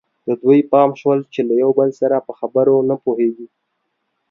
د دوی پام شول چې له یو بل سره په خبرو نه پوهېږي.